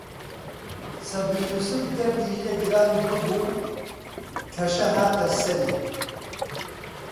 سەبری یووسف دەردی لێ گران ببوو، کەشە هاتە سەری